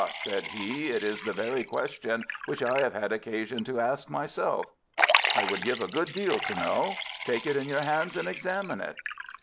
said he, "it is the very question which I have had occasion to ask myself. I would give a good deal to know. Take it in your hands and examine it."